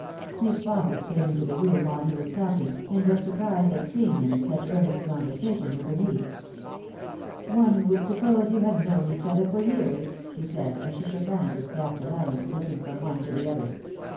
Miss Fausset came into the room while he was talking, and was surprised at Beeing him in such earnest conversation with her niece. " One would suppose you had known each other for years," she said, as she shook hands with Castellani, looking from one to the other.